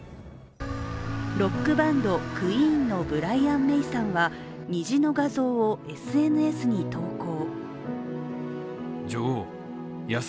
ロックバンドＱＵＥＥＮのブライアン・メイさんは虹の画像をＳＮＳに投稿。